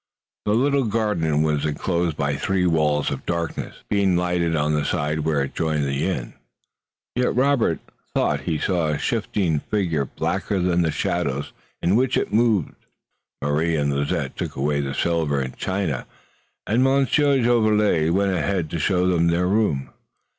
The little garden was enclosed by three walls of darkness, being lighted on the side where it joined the inn. Yet Robert thought he saw a shifting figure blacker than the shadows in which it moved. Marie and Lizette took away the silver and china and Monsieur Jolivet went ahead to show them to their room.